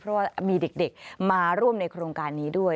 เพราะว่ามีเด็กมาร่วมในโครงการนี้ด้วย